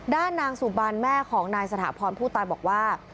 นางสุบันแม่ของนายสถาพรผู้ตายบอกว่า